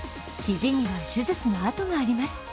肘には手術のあとがあります。